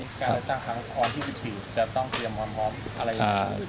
การเลือกตั้งครั้งวันที่๑๔จะต้องเตรียมความพร้อมอะไรอย่างนี้